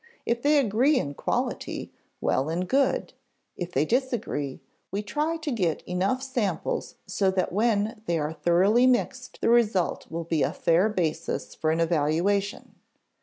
If they agree in quality, well and good; if they disagree, we try to get enough samples so that when they are thoroughly mixed the result will be a fair basis for an evaluation.